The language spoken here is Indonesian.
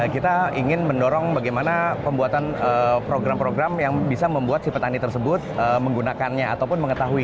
kita ingin mendorong bagaimana pembuatan program program yang bisa membuat si petani tersebut menggunakannya ataupun mengetahui